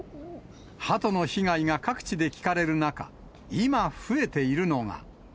ハトの被害が各地で聞かれる中、今、増えているのが。